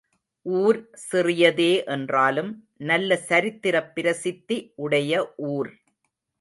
ஊர் சிறியதே என்றாலும் நல்ல சரித்திரப் பிரசித்தி உடைய ஊர்.